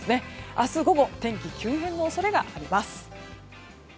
明日午後天気急変の恐れがあります。